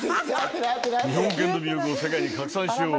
日本犬の魅力を世界に拡散しよう。